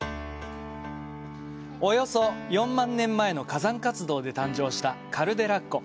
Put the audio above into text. およそ４万年前の火山活動で誕生したカルデラ湖。